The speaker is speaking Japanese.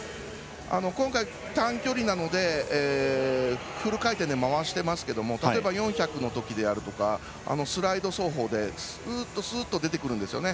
今回、短距離なのでフル回転で回してますけど、例えば４００のときであるとかストライド走法でスーッと出てくるんですよね。